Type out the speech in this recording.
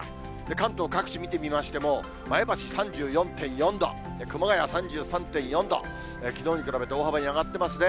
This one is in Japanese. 関東各地見てみましても、前橋３４．４度、熊谷３３．４度、きのうに比べて大幅に上がってますね。